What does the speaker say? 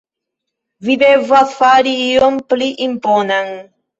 Vi devas fari ion pli imponan.